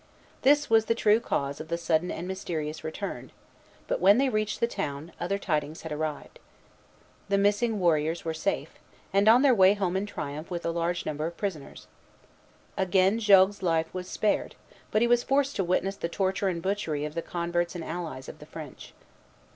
This was the true cause of the sudden and mysterious return; but when they reached the town, other tidings had arrived. The missing warriors were safe, and on their way home in triumph with a large number of prisoners. Again Jogues's life was spared; but he was forced to witness the torture and butchery of the converts and allies of the French.